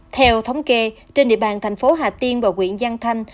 theo thống kê trên địa bàn thành phố hà tiên và quyện giang thanh